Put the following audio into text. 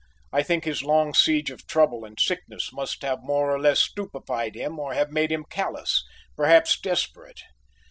I think his long siege of trouble and sickness must have more or less stupefied him or have made him callous, perhaps desperate.